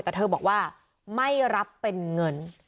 แต่เธอบอกว่าไม่รับเป็นเงิน